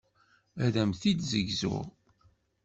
Ad am-t-id-ssegzuɣ.